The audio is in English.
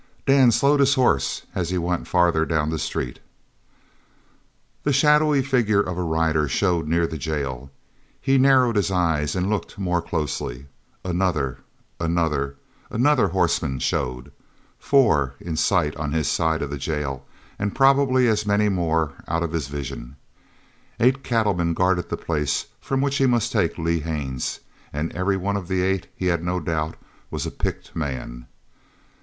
Dan slowed his horse as he went farther down the street. The shadowy figure of a rider showed near the jail. He narrowed his eyes and looked more closely. Another, another, another horseman showed four in sight on his side of the jail and probably as many more out of his vision. Eight cattlemen guarded the place from which he must take Lee Haines, and every one of the eight, he had no doubt, was a picked man.